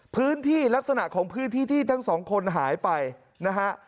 พื้นที่ลักษณะของพื้นที่ทั้ง๒คนหายไปนะฮะ